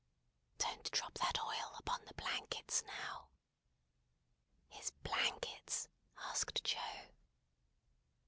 "Don't drop that oil upon the blankets, now." "His blankets?" asked Joe.